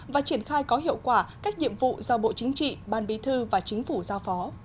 và triển khai có hiệu quả các nhiệm vụ do bộ chính trị ban bí thư và chính phủ giao phó